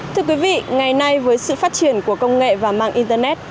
thưa quý vị ngày nay với sự phát triển của công nghệ và mạng internet